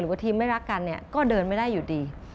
ว่าทีมไม่รักกันเนี่ยก็เดินไม่ได้อยู่ดี